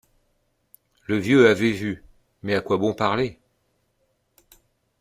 Le vieux avait vu, mais à quoi bon parler?